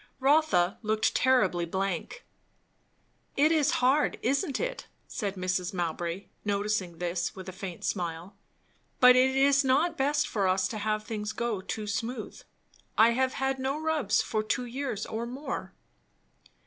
Rotha looked terribly blank. "It is hard, isn't it?" said Mrs. Mowbray, noticing this with a faint smile; "but it is not best for us to have things go too smooth. I have had no rubs for two years or more."